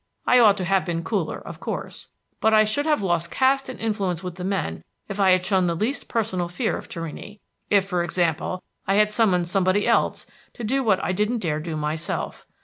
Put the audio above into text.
I ought to have been cooler, of course. But I should have lost caste and influence with the men if I had shown the least personal fear of Torrini, if, for example, I had summoned somebody else to do what I didn't dare do myself.